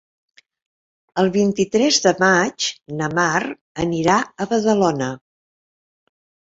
El vint-i-tres de maig na Mar anirà a Badalona.